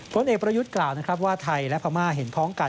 ผู้เอกประยุทธ์กล่าวว่าไทยและพม่าเห็นพ้องกัน